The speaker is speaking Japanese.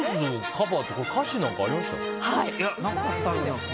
カバーって歌詞なんかありましたっけ。